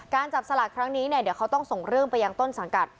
จับสลากครั้งนี้เนี่ยเดี๋ยวเขาต้องส่งเรื่องไปยังต้นสังกัด